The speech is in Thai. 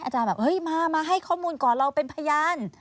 แบบเฮ้ยมาให้ข้อมูลก่อนเราเป็นพยาน